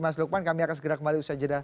mas lekman kami akan segera kembali usaha jeda